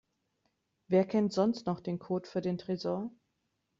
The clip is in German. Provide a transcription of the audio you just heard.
Wer kennt sonst noch den Code für den Tresor?